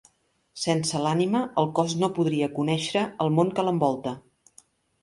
Sense l'ànima, el cos no podria conèixer el món que l'envolta.